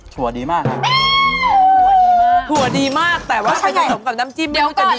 ถั่วดีมากถั่วดีมากแต่ว่าเกลียดกับน้ำจิ้มไม่รู้จะดีไหม